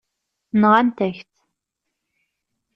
Nɣant-ak-tt.